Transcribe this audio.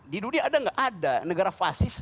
di dunia ada nggak ada negara fasis